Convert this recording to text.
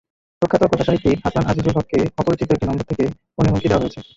প্রখ্যাত কথাসাহিত্যিক হাসান আজিজুল হককে অপরিচিত একটি নম্বর থেকে ফোনে হুমকি দেওয়া হয়েছে।